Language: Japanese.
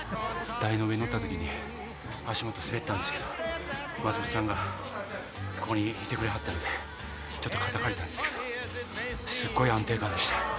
台の上乗った時に足元滑ったんですけど松本さんがここにいてくれはったんでちょっと肩借りたんですけどすっごい安定感でした。